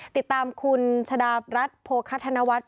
ติดตามคุณชดาบรัฐโพธิธนวัตร